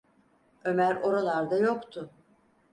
Ömer oralarda yoktu.